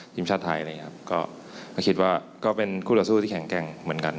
ทีมชาติไทยอะไรอย่างนี้ครับก็คิดว่าก็เป็นคู่ต่อสู้ที่แข็งแกร่งเหมือนกัน